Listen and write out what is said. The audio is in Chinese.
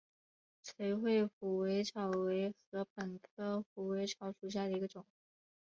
垂穗虎尾草为禾本科虎尾草属下的一个种。